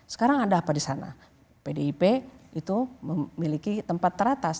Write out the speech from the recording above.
sekarang ada apa di sana pdip itu memiliki tempat teratas